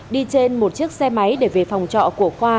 đi trên một chiếc xe máy để về phòng trọ của khoa